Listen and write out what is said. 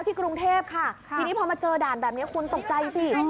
เมื่อเดือนที่แล้วที่กรุงเทพฯทีนี้พอมาเจอด่านแบบนี้คุณตกใจสิ